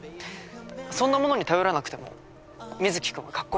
そんなものに頼らなくても水城君はかっこいいよ。